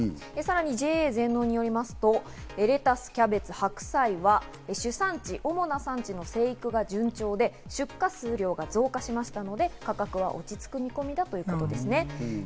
輸送費、原油高の値上げ傾向は全さらにＪＡ全農によりますとレタス、キャベツ、白菜は主産地、主な産地の生育が順調で、出荷数量が増加しましたので、価格は落ち着く見込みだということです。